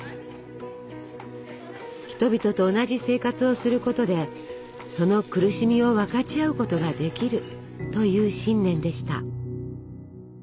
人々と同じ生活をすることでその苦しみを分かち合うことができるという信念でした。